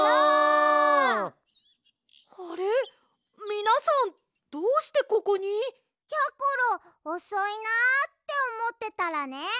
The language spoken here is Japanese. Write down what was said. みなさんどうしてここに？やころおそいなあっておもってたらね